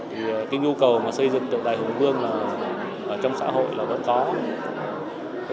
cái nhu cầu mà xây dựng tượng đài hùng vương trong xã hội là vẫn có